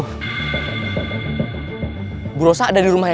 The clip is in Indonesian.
segera pindahin mobilnya mba rosa ada dirumah itu